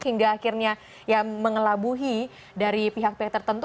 hingga akhirnya ya mengelabuhi dari pihak pihak tertentu